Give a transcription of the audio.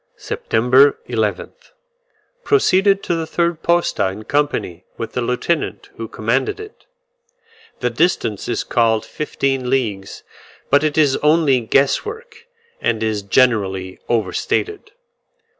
September 11th. Proceeded to the third posta in company with the lieutenant who commanded it. The distance is called fifteen leagues; but it is only guess work, and is generally overstated.